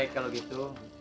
ya baik kalau gitu